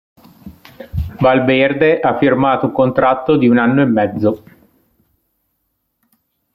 Valverde ha firmato un contratto di un anno e mezzo..